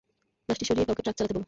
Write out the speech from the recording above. লাশটি সরিয়ে কাউকে ট্রাক চালাতে বল।